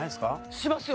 しますよ